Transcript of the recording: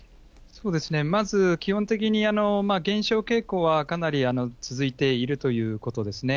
まず、基本的に減少傾向はかなり続いているということですね。